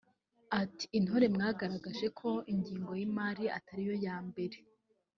ati“Intore mwagaragaje ko ingengo y’imari atari yo ya mbere